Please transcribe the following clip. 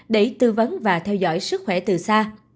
để tư vấn và theo dõi sức khỏe từ xa